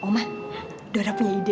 oma dora punya ide